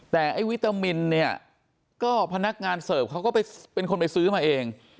แต่ไอ้วิตามินเนี่ยก็พนักงานเสิร์ฟเขาก็เป็นคนไปซื้อมาเอง